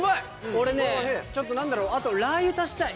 これねちょっと何だろうあとラー油足したい。